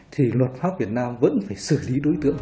thì luật pháp việt nam vẫn phải xử lý đối tượng